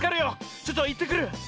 ちょっといってくる！